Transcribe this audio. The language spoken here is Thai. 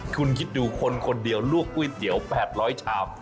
คุณคิดดูคนคนเดียวลวกก๋วยเตี๋ยว๘๐๐ชาม